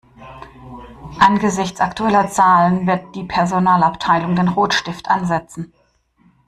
Angesichts aktueller Zahlen wird die Personalabteilung den Rotstift ansetzen.